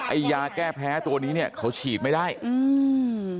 ไอ้ยาแก้แพ้ตัวนี้เนี้ยเขาฉีดไม่ได้อืม